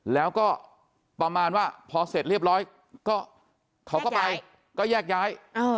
แล้วก็ประมาณว่าพอเสร็จเรียบร้อยก็เขาก็ไปก็แยกย้าย